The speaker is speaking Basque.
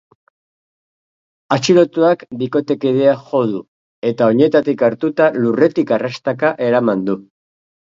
Atxilotuak bikotekidea jo du eta oinetatik hartuta lurretik arrastaka eraman du.